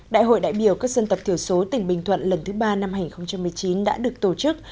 đại hội đại biểu các dân tộc thiểu số tỉnh bình thuận lần thứ ba năm hai nghìn một mươi chín đã được tổ chức